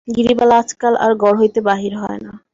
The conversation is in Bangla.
গিরিবালা আজকাল আর ঘর হইতে বাহির হয় না।